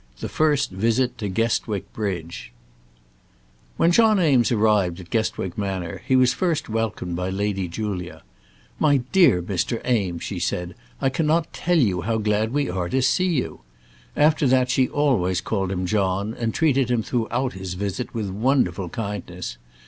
THE FIRST VISIT TO THE GUESTWICK BRIDGE. [ILLUSTRATION: (untitled)] When John Eames arrived at Guestwick Manor, he was first welcomed by Lady Julia. "My dear Mr. Eames," she said, "I cannot tell you how glad we are to see you." After that she always called him John, and treated him throughout his visit with wonderful kindness.